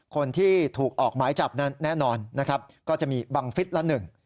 คนที่ถูกออกหมายจับนั้นแน่นอนนะครับก็จะมีบังฟิศละหนึ่ง